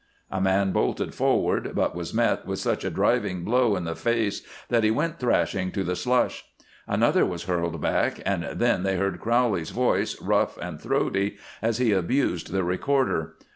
A man bolted forward, but was met with such a driving blow in the face that he went thrashing to the slush. Another was hurled back, and then they heard Crowley's voice, rough and throaty, as he abused the recorder.